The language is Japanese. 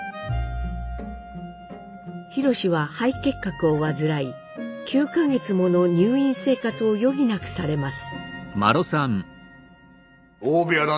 宏は肺結核を患い９か月もの入院生活を余儀なくされます。